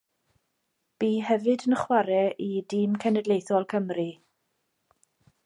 Bu hefyd yn chwarae i dîm cenedlaethol Cymru.